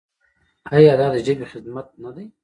آیا دا د ژبې خدمت نه دی؟